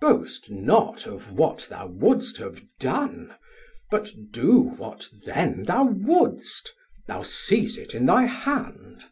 Sam: Boast not of what thou wouldst have done, but do What then thou would'st, thou seest it in thy hand.